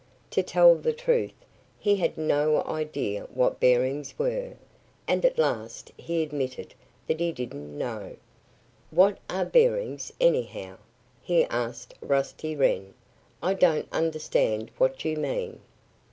To tell the truth, he had no idea what bearings were. And at last he admitted that he didn't know. "What are bearings, anyhow?" he asked Rusty Wren. "I don't understand what you mean."